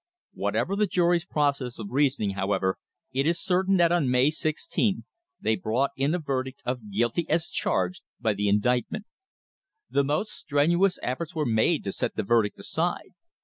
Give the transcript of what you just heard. Whatever the jury's process of reasoning, how ever, it is certain that on May 16 they brought in a verdict of "guilty as charged by the indictment." The most strenuous efforts were made to set the verdict aside.